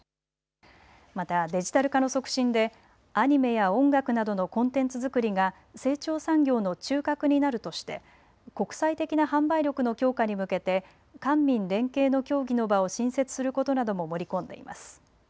またデジタル化の促進でアニメや音楽などのコンテンツ作りが成長産業の中核になるとして国際的な販売力の強化に向けて官民連携の協議の場を新設することなども盛り込んでいます。